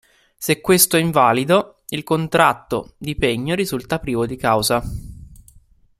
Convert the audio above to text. Se questo è invalido, il contratto di pegno risulta privo di causa.